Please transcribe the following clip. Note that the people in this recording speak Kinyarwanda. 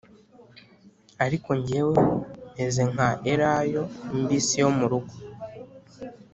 Ariko jyeweho meze nka elayo mbisi yo mu rugo